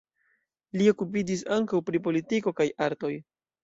Li okupiĝis ankaŭ pri politiko kaj artoj.